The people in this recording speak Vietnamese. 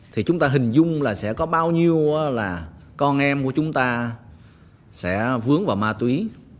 thì chúng ta hình dung là sẽ có bao nhiêu là con em của chúng ta sẽ vướng vào ma túy